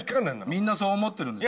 みんなそう思ってるんですよ。